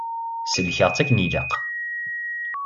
Sellkeɣ-tt akken ilaq.